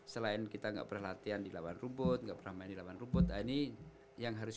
selain kita enggak berlatih andi lawan rumput enggak pernah main di laman rumput ini yang harus